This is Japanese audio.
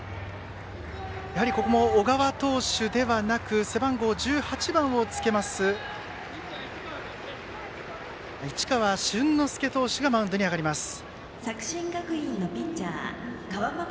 ここも小川投手ではなく背番号１８番、市川春之介投手がマウンドに上がります。